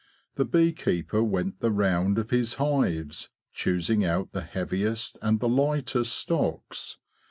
The bee keeper went the round of his hives, choosing out the heaviest and the lightest stocks.